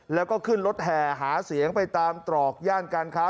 แล้วก็ขึ้นรถแห่หาเสียงไปตามตรอกย่านการค้า